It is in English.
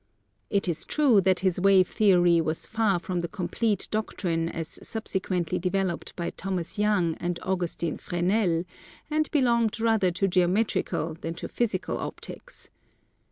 It is true that his wave theory was far from the complete doctrine as subsequently developed by Thomas Young and Augustin Fresnel, and belonged rather to geometrical than to physical Optics.